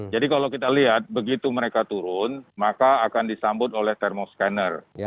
jadi kalau kita lihat begitu mereka turun maka akan disambut oleh thermo scanner